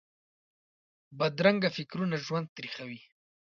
بدرنګه فکرونه ژوند تریخوي